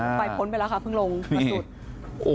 อ่าไฟพ้นไปแล้วครับเพิ่งลงมาสุด